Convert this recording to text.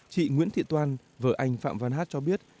chị nguyễn thị toan vợ anh phạm văn hát cho biết